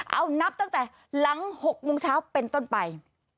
เอานับตั้งแต่หลัง๖โมงเช้าเป็นต้นไป